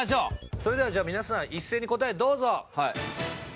それではじゃあ皆さん一斉に答えどうぞ。